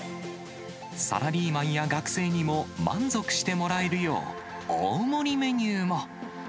サラリーマンや学生にも満足してもらえるよう、大盛りメニューも。